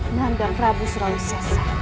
nandang rabu surawisasa